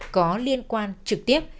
có liên quan trực tiếp